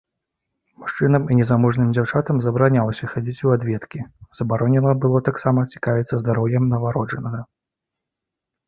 Мужчынам і незамужнім дзяўчатам забаранялася хадзіць у адведкі, забаронена было таксама цікавіцца здароўем нованароджанага.